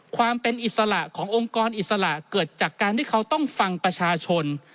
ความเป็นอิสระขององค์กรอิสระเกิดจากการที่เขาต้องฟังประชาชน